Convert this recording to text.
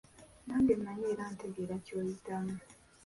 Nange mmanyi era ntegeera ky'oyitamu.